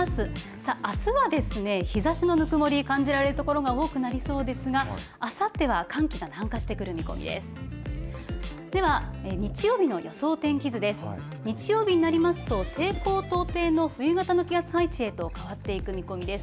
さあ、あすはですね、日ざしのぬくもり、感じられる所が多くなりそうですが、あさっては寒気が南下してくる見込みです。